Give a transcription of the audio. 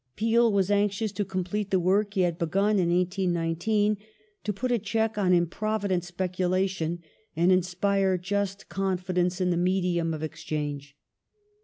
^ Peel was anxious to complete the work he had begun in 1819 : to " put a check on improvident speculation and inspire just confidence in the medium of exchange